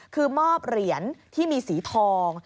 คือมอบเหรียญที่มีสีทอง